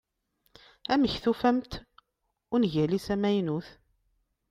Amek tufamt ungal-is amaynut?